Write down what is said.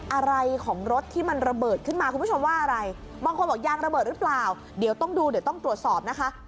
อะไรของรถที่มันระเบิดขึ้นมาคุณผู้ชมว่าอะไรบางคนบอกยางระเบิดหรือเปล่าเดี๋ยวต้องดูเดี๋ยวต้องตรวจสอบนะคะ